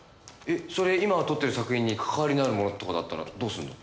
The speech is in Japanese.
それ今撮ってる作品に関わりのあるものとかだったらどうするの？